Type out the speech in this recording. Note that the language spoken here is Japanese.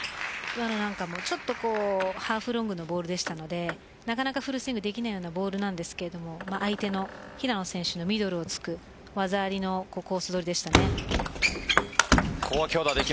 今のなんかもハーフロングのボールでしたのでなかなかフルスイングできないようなボールですけど相手の平野選手のミドルを突く技ありのコース取りでした。